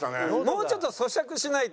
もうちょっと咀嚼しないと。